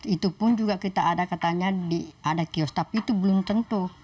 itu pun juga kita ada katanya ada kios tapi itu belum tentu